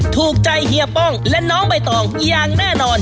ถูกใจเฮียป้องและน้องใบตองอย่างแน่นอน